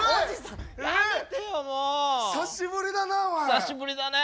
久しぶりだね。